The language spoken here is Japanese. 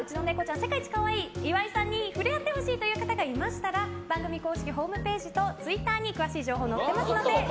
世界一可愛いので岩井さんに触れ合ってほしいという方がいましたら番組公式ホームページとツイッターに載ってますので。